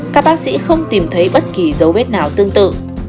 các bác sĩ không tìm thấy bất kỳ dấu vết nào tương tự